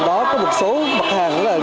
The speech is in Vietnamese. một số hàng một số hàng một số hàng một số hàng